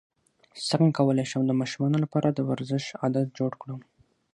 څنګه کولی شم د ماشومانو لپاره د ورزش عادت جوړ کړم